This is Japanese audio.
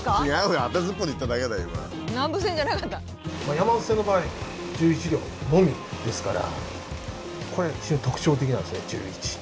山手線の場合１１両のみですからこれ非常に特徴的なんですね１１。